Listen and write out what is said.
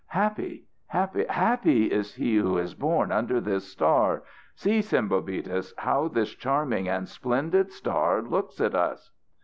Happy, happy, happy is he who is born under this star, See, Sembobitis, how this charming and splendid star looks at us."